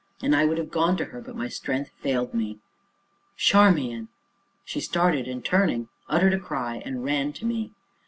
And I would have gone to her but that my strength failed me. "Charmian!" She started, and, turning, uttered a cry, and ran to me.